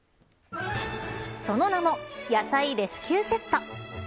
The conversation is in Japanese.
その名も野菜レスキューセット。